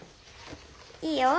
いいよ。